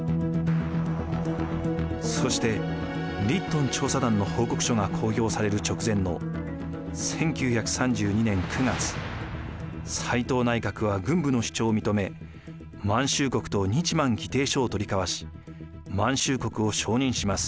そしてリットン調査団の報告書が公表される直前の斎藤内閣は軍部の主張を認め満州国と日満議定書を取り交わし満州国を承認します。